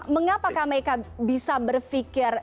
mengapakah mereka bisa berpikir